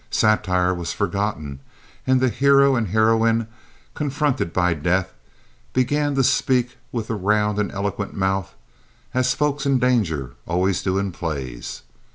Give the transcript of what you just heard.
Satire was forgotten and the hero and heroine, confronted by death, began to speak with the round and eloquent mouth, as folk in danger always do in plays.